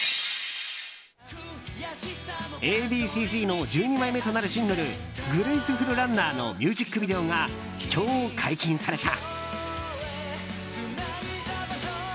Ａ．Ｂ．Ｃ‐Ｚの１２枚目となるシングル「ＧｒａｃｅｆｕｌＲｕｎｎｅｒ」のミュージックビデオが今日、解禁された。